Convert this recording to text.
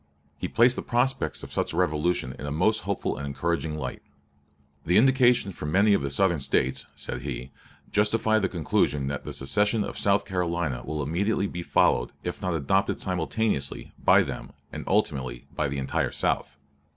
He placed the prospects of such a revolution in a most hopeful and encouraging light. "The indications from many of the Southern States," said he, "justify the conclusion that the secession of South Carolina will be immediately followed, if not adopted simultaneously, by them, and ultimately by the entire South.